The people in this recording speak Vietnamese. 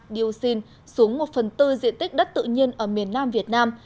dioxin xuống một phần tư diện tích đất tự nhiên ở miền nam việt nam